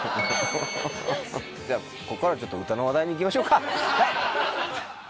ではここからはちょっと歌の話題に行きましょうか！